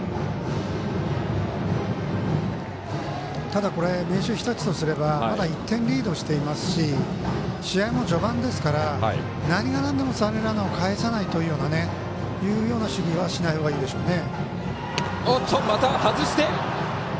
ただ、明秀日立とすればまだ１点リードしていますし試合も序盤ですから何がなんでも三塁ランナーをかえさないというような守備はしないほうがいいでしょうね。